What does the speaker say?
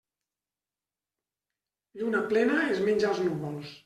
Lluna plena es menja els núvols.